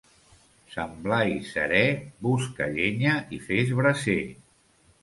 Sant Blai serè, busca llenya i fes braser.